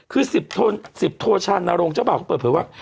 คือ๑๐โทชันนโรงชะบาวก็เปิดเปลือกว่า